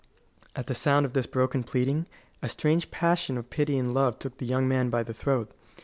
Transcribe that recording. At the sound of this broken pleading a strange passion of pity and love took the young man by the throat.